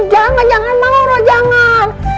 jangan jangan malu roh jangan